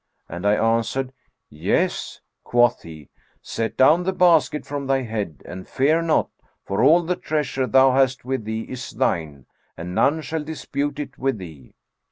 and I answered, 'Yes.' Quoth he, 'Set down the basket from thy head and fear naught, for all the treasure thou hast with thee is thine, and none shall dispute it with thee.'